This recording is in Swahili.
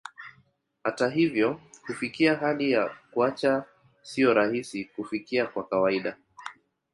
Hata hivyo, kufikia hali ya kuacha sio rahisi kufikia kwa kawaida.